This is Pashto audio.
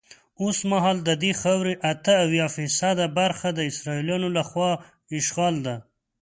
اوسمهال ددې خاورې اته اویا فیصده برخه د اسرائیلو له خوا اشغال ده.